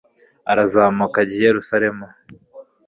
arazamuka ajya i yeruzalemu